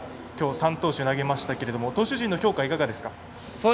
きょう、３投手投げましたが投手陣の評価いかがですか。